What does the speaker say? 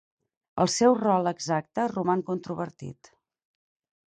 El seu rol exacte roman controvertit.